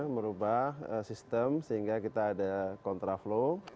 merubah sistem sehingga kita ada kontra flow